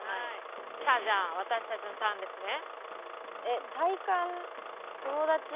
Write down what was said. さあじゃあ私たちのターンですね。